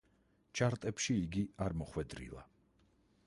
ჩარტებში იგი არ მოხვედრილა.